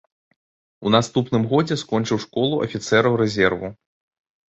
У наступным годзе скончыў школу афіцэраў рэзерву.